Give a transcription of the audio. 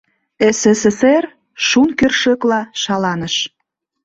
СССР шун кӧршӧкла шаланыш.